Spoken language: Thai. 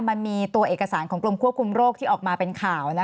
มันมีตัวเอกสารของกรมควบคุมโรคที่ออกมาเป็นข่าว